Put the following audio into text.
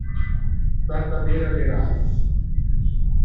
Dar da bere alle rane.